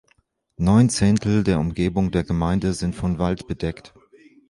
Neun Zehntel der Umgebung der Gemeinde sind von Wald bedeckt.